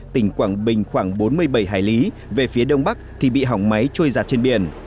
tỉnh quảng bình khoảng bốn mươi bảy hải lý về phía đông bắc thì bị hỏng máy trôi giặt trên biển